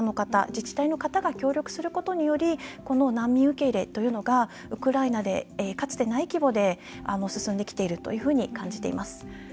自治体の方が協力することによりこの難民受け入れというのがウクライナで、かつてない規模で進んできているというふうに感じています。